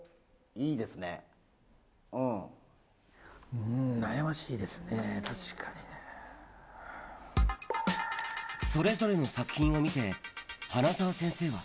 うーん、悩ましいですね、確かにね。それぞれの作品を見て、花沢先生は。